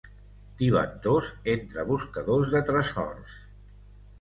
Tibantors entre buscadors de tresors.